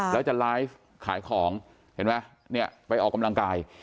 แล้วจะไลฟ์ขายของเห็นไหมเนี่ยไปออกกำลังกาย